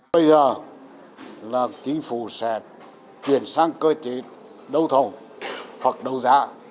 bây giờ là chính phủ sẽ chuyển sang cơ chế đầu thổ hoặc đầu giá